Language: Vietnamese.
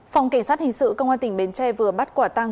phòng cảnh sát hình sự công an tỉnh bến tre vừa bắt quả tăng